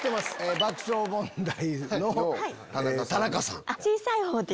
爆笑問題の田中さん。